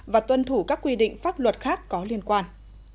và tuân thủ các quy định pháp luật khác có liên quan